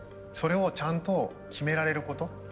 それをちゃんと決められること。